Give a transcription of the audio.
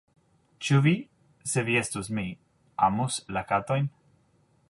“Ĉu vi, se vi estus mi, amus la katojn?”